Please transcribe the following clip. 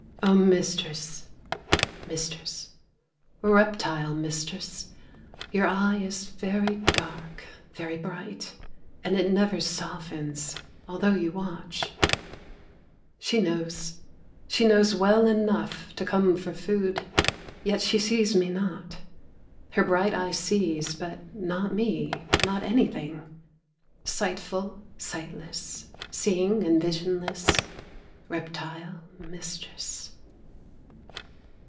O Mistress, Mistress, Reptile mistress, Your eye is very dark, very bright, And it never softens Although you watch. She knows, She knows well enough to come for food, Yet she sees me not; Her bright eye sees, but not me, not anything, Sightful, sightless, seeing and visionless, Reptile mistress.